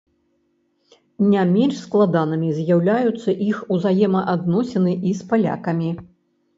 Не менш складанымі з'яўляюцца іх узаемаадносіны і з палякамі.